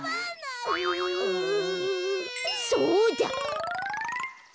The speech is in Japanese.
そうだ！